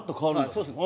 そうですね。